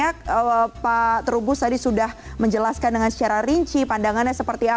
tapi lagi lagi saya ucapkan terima kasih banyak pak trubus tadi sudah menjelaskan dengan secara rinci pandangannya seperti ini